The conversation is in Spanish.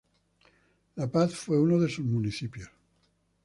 La Paz fue uno de sus municipios.